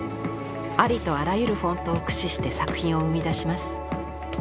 ありとあらゆるフォントを駆使して作品を生みだします。